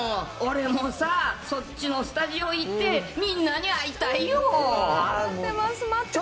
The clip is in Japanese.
うーん、俺もさぁ、そっちのスタジオ行って、みんなに会いたいよー。